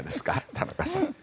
田中さん。